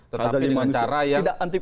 tetapi dengan cara yang